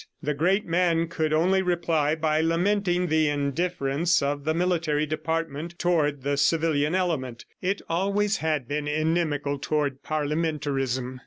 The great man could only reply by lamenting the indifference of the military department toward the civilian element; it always had been inimical toward parliamentarism.